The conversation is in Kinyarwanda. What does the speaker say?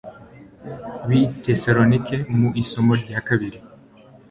b'i tesalonike mu isomo rya kabiri